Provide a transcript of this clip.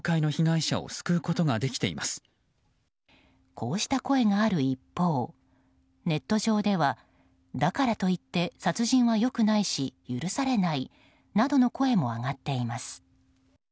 こうした声がある一方ネット上ではだからと言って殺人は良くないし許されないなどの声も上がっています。